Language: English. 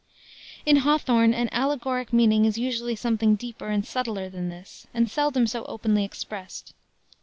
In Hawthorne an allegoric meaning is usually something deeper and subtler than this, and seldom so openly expressed.